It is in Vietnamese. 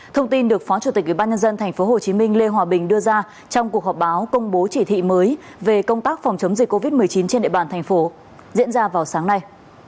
thông tin được phó chủ tịch ubnd tp hcm lê hòa bình đưa ra trong cuộc họp báo công bố chỉ thị mới về công tác phòng chống dịch covid một mươi chín trên địa bàn thành phố diễn ra vào sáng nay